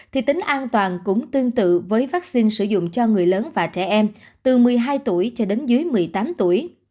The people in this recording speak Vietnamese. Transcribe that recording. thì tính an toàn cũng tương tự với vaccine sử dụng cho người lớn và trẻ em từ một mươi hai tuổi cho đến dưới một mươi tám tuổi